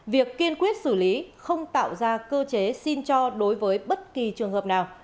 việc kiên quyết xử lý không tạo ra cơ chế xin cho đối với bất kỳ trường hợp nào